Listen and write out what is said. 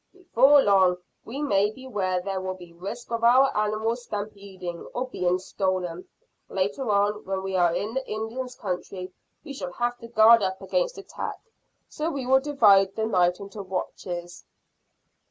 "Before long we may be where there will be risk of our animals stampeding, or being stolen. Later on, when we are in the Indians' country, we shall have to guard against attack, so we will divide the night into watches."